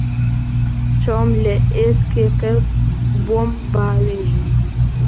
چاوم لە ئێسکێکە بۆم باوێژی